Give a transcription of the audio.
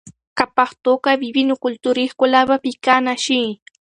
که پښتو قوي وي، نو کلتوري ښکلا به پیکه نه شي.